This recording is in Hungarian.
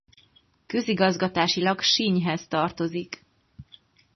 Közigazgatásilag Sinjhez tartozik.